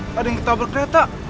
ibu ada yang ketabrak kereta